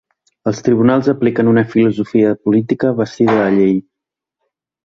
Els tribunals apliquen una filosofia política vestida de llei.